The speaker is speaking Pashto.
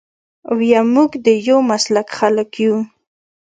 ويم موږ د يو مسلک خلک يو.